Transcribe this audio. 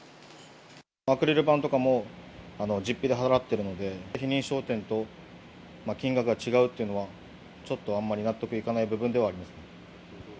アクリル板とかも実費で払っているので、非認証店と金額が違うっていうのは、ちょっとあんまり納得いかない部分ではありますね。